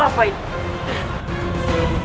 jangan lupa h losers